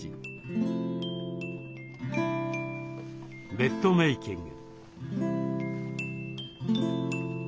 ベッドメーキング。